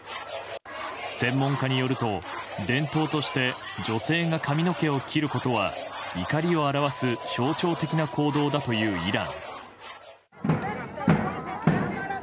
専門家によると伝統として女性が髪の毛を切ることは怒りを表す象徴的な行動だというイラン。